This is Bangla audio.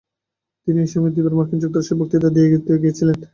তিনি এই সময়ে দুইবার মার্কিন যুক্তরাষ্ট্রে বক্তৃতা দিতে গিয়েছিলেন।